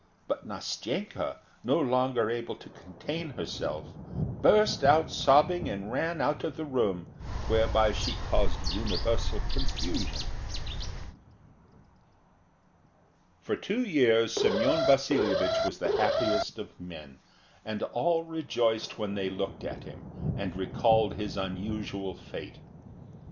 But Nastenka, no longer able to contain herself, burst out sobbing and ran out of the room, whereby she caused universal confusion. For two years Semyon Vasilyevich was the happiest of men, and all rejoiced when they looked at him, and recalled his unusual fate.